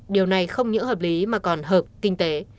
điều này không những hợp lý mà còn hợp kinh tế